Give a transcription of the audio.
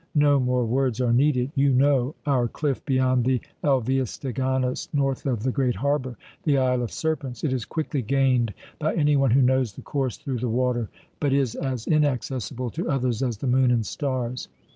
No more words are needed. You know our cliff beyond the Alveus Steganus, north of the great harbour the Isle of Serpents. It is quickly gained by any one who knows the course through the water, but is as inaccessible to others as the moon and stars.